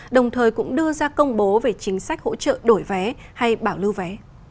đồng thời cũng đưa ra công bố về chính sách hỗ trợ đổi vé hay bảo lưu vé